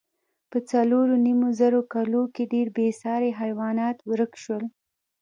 په څلورو نیم زره کلو کې ډېری بېساري حیوانات ورک شول.